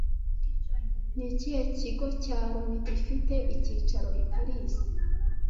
Ni ikihe kigo cya Loni gifite icyicaro i Paris